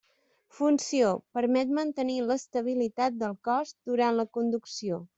Funció: permet mantenir l'estabilitat del cos durant la conducció.